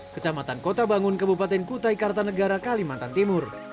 kecamatan kota bangun kabupaten kutai kartanegara kalimantan timur